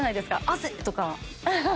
汗！とか。